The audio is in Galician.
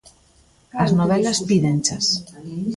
As novelas pídenchas.